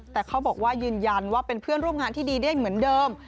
แต่เขาบอกว่ายืนยันว่าเป็นเพื่อนร่วมงานที่ดีได้เหมือนเดิม